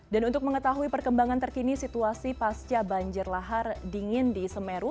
dan untuk mengetahui perkembangan terkini situasi pasca banjir lahar dingin di semeru